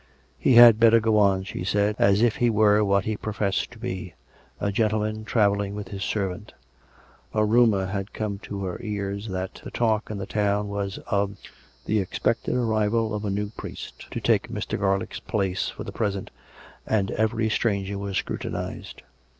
He had better go on, she said, as if he were what he professed to be — a gentleman travelling with his servant. A rumour had come to her ears that the talk in the town was of the expected arrival of a new priest to take Mr. Garlick's place for the present, and every stranger was scrutinised.